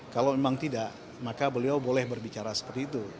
kalau memang tidak maka beliau boleh berbicara seperti itu